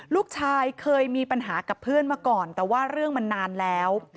ลูกชายเคยมีปัญหากับเพื่อนมาก่อนแต่ว่าเรื่องมันนานแล้ว